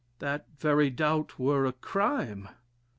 "That very doubt were a crime."